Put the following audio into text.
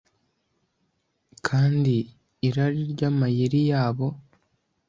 kandi irari ry'amayeri yabo